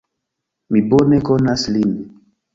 Mi bone konas lin.